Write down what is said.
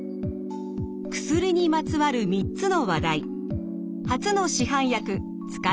薬にまつわる３つの話題。